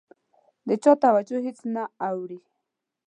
د چا توجه هېڅ نه اوړي.